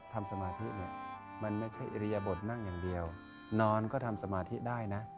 สมาธิเนี่ยมันไม่ใช่อิริยบทนั่งอย่างเดียวนอนก็ทำสมาธิได้นะ